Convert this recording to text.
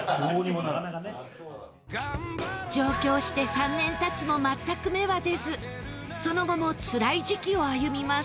上京して３年経つも全く芽は出ずその後もつらい時期を歩みます。